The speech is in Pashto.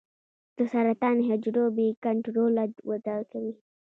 د سرطان حجرو بې کنټروله وده کوي.